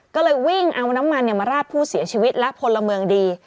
ก็เลยวิ่งเอาน้ำมันมาราดผู้เสียชีวิตและพลเมืองดี